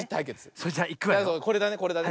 これだねこれだね。